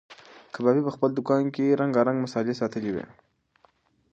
کبابي په خپل دوکان کې رنګارنګ مسالې ساتلې وې.